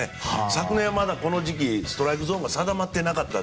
昨年はこの時期まだストライクゾーンが定まってなかった。